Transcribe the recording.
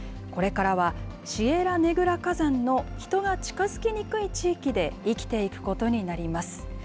これからは、シエラネグラ火山の人が近づきにくい地域で生きていくことになります。